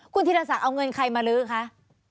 คุณธิรษัทเอาเงินใครมาลื้อคะ